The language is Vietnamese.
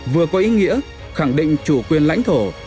vừa có ý nghĩa khẳng định chủ quyền lãnh thổ